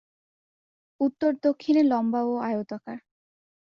উত্তর-দক্ষিণে লম্বা ও আয়তাকার।